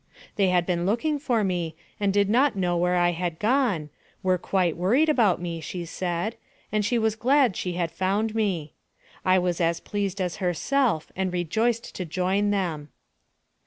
They had been looking for me, and did not know where I had gone, were quite worried about me, she said, and she was glad she had found me. I was as pleased as herself, and rejoiced to join them.